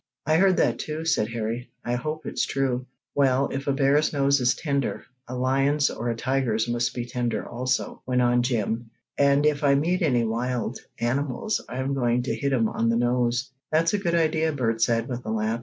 "I heard that, too," said Harry. "I hope it's true." "Well, if a bear's nose is tender, a lion's or a tiger's must be tender also," went on Jim, "and if I meet any wild animals I'm going to hit 'em on the nose." "That's a good idea," Bert said, with a laugh.